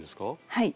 はい。